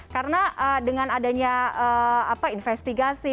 karena dengan adanya investigasi